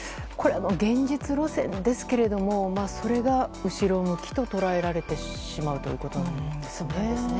現実路線ですけれどもそれが後ろ向きと捉えられてしまうということなんですね。